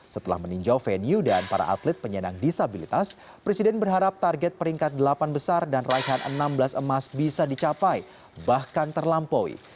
setelah meninjau venue dan para atlet penyandang disabilitas presiden berharap target peringkat delapan besar dan raihan enam belas emas bisa dicapai bahkan terlampaui